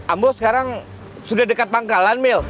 abang sekarang sudah dekat pangkalan emil